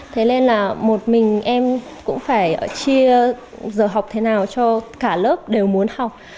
thế nên là một mình em cũng phải chia giờ học thế nào cho cả lớp đều muốn học